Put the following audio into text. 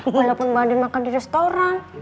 walaupun mbak adin makan di restoran